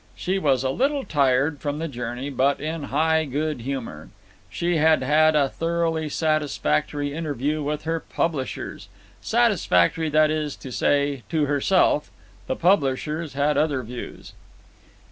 She was a little tired from the journey, but in high good humour. She had had a thoroughly satisfactory interview with her publishers—satisfactory, that is to say, to herself; the publishers had other views.